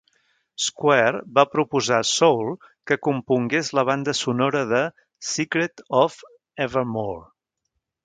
Square va proposar Soul que compongués la banda sonora de "Secret of Evermore".